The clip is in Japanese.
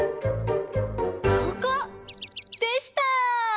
ここ！でした。